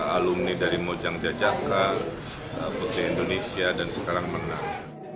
alumni dari mojang jajaka putri indonesia dan sekarang menang